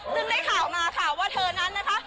ซึ่งได้ข่าวมาค่ะว่าเธอนั้นนะคะ